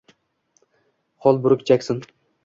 Holbruk Jekson